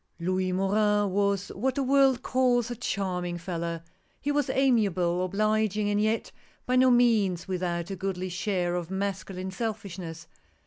L OUIS MORIN was what the world calls a charm ing fellow. He was amiable, obliging, and yet by no means without a goodly share of masculine selfishness.